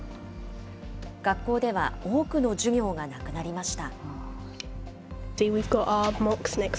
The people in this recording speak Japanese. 学校では、多くの授業がなくなりました。